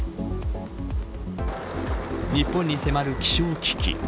日本に迫る気象危機。